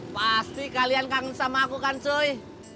pasti kalian kangen sama aku kan cuy